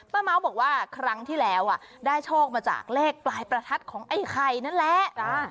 เมาส์บอกว่าครั้งที่แล้วได้โชคมาจากเลขปลายประทัดของไอ้ไข่นั่นแหละ